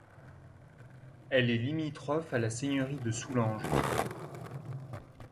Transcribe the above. Elle est limitrophe à la seigneurie de Soulanges.